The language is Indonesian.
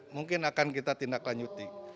mungkin akan kita tindak lanjuti